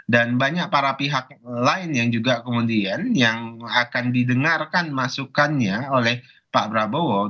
dan banyak para pihak lain yang juga kemudian yang akan didengarkan masukannya oleh pak prabowo